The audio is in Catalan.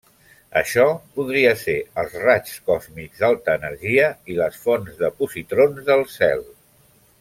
Això podria ser els raigs còsmics d'alta energia i les fonts de positrons del cel.